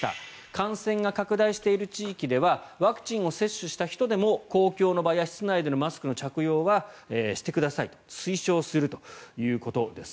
感染が拡大している地域ではワクチンを接種した人でも公共の場や室内でのマスクの着用はしてくださいと推奨するということです。